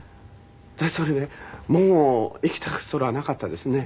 私それでもう生きた空はなかったですね。